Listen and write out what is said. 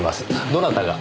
どなたが？